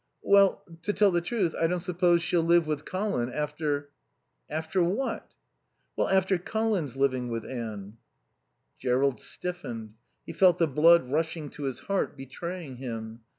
"Well, to tell the truth, I don't suppose she'll live with Colin after " "After what?" "Well, after Colin's living with Anne." Jerrold stiffened. He felt the blood rushing to his heart, betraying him.